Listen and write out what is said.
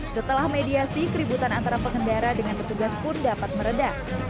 setelah mediasi keributan antara pengendara dengan petugas pun dapat meredah